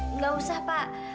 enggak usah pak